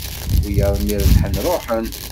Wiyaḍ mi rebḥen ruḥen